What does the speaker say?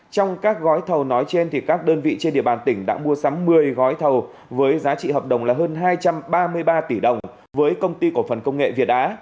trong các gói thầu nói trên các đơn vị trên địa bàn tỉnh đã mua sắm một mươi gói thầu với giá trị hợp đồng là hơn hai trăm ba mươi ba tỷ đồng với công ty cổ phần công nghệ việt á